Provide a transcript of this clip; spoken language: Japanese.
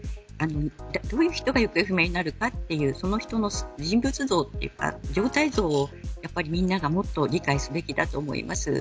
どういう人が行方不明になるかというその人の人物像というか状態像をみんながもっと理解すべきだと思います。